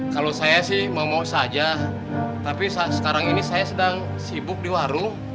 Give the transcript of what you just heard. kalau saya sih mau mau saja tapi sekarang ini saya sedang sibuk di warung